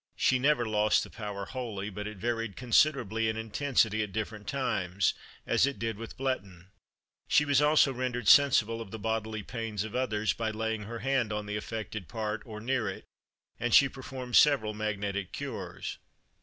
She never lost the power wholly, but it varied considerably in intensity at different times, as it did with Bleton. She was also rendered sensible of the bodily pains of others, by laying her hand on the affected part, or near it; and she performed several magnetic cures.